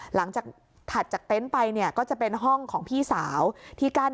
หลังจากถัดจากเต็นต์ไปเนี่ยก็จะเป็นห้องของพี่สาวที่กั้น